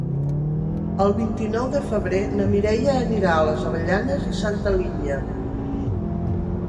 El vint-i-nou de febrer na Mireia anirà a les Avellanes i Santa Linya.